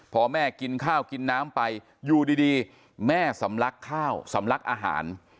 พอแม่กินข้าวกินน้ำไปอยู่ดีแม่สำลักข้าวสำลักอาหาร